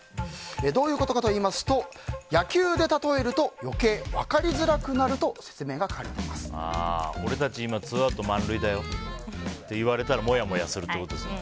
どういうことかといいますと野球で例えると余計分かりづらくなると俺たち今ツーアウト満塁だよって言われたらモヤモヤするってことですか。